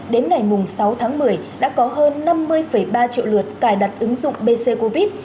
đến ngày sáu tháng một mươi đã có hơn năm mươi ba triệu lượt cài đặt ứng dụng bc covid